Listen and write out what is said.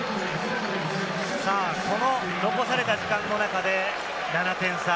この残された時間の中で７点差。